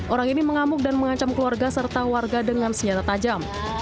orang ini mengamuk dan mengancam keluarga serta warga dengan senjata tajam